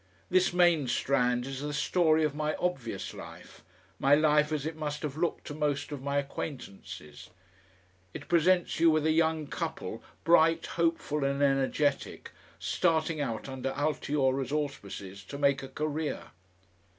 This main strand is the story of my obvious life, my life as it must have looked to most of my acquaintances. It presents you with a young couple, bright, hopeful, and energetic, starting out under Altiora's auspices to make a career.